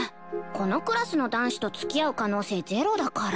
このクラスの男子と付き合う可能性ゼロだから。